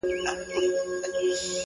ويل يې غواړم ځوانيمرگ سي;